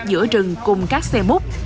giữa rộng rãi và vận chuyển